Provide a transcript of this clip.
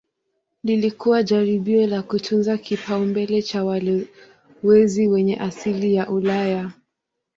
Lilikuwa jaribio la kutunza kipaumbele cha walowezi wenye asili ya Ulaya.